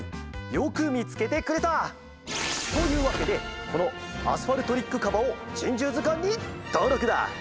よくみつけてくれた！というわけでこのアスファルトリックカバを「珍獣図鑑」にとうろくだ！